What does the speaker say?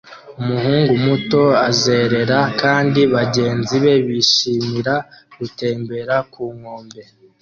umuhungu muto azerera kandi bagenzi be bishimira gutembera ku nkombe.